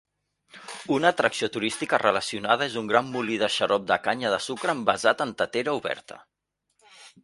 Una atracció turística relacionada és un gran molí de xarop de canya de sucre envasat en tetera oberta.